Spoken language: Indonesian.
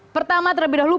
pertama terlebih dahulu